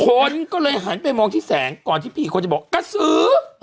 คนก็เลยหันไปมองที่แสงก่อนที่พี่อีกคนจะบอกกระสือ